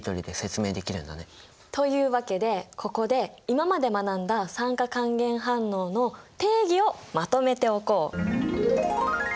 というわけでここで今まで学んだ酸化還元反応の定義をまとめておこう。